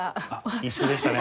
一緒でしたね。